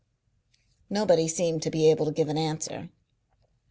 Nobody seemed to be able to give an answer.